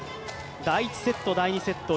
第１セット、第２セット